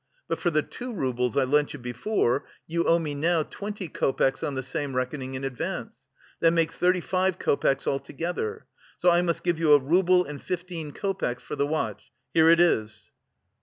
But for the two roubles I lent you before, you owe me now twenty copecks on the same reckoning in advance. That makes thirty five copecks altogether. So I must give you a rouble and fifteen copecks for the watch. Here it is."